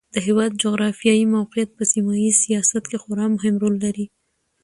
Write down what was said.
د هېواد جغرافیایي موقعیت په سیمه ییز سیاست کې خورا مهم رول لري.